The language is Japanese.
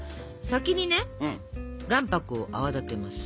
先にね卵白を泡立てます。